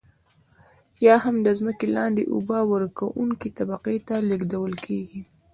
یا هم د ځمکې لاندې اوبه ورکونکې طبقې ته لیږدول کیږي.